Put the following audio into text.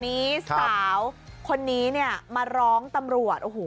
นี้สาวคนนี้เนี่ยมาร้องตำรวจโอ้โห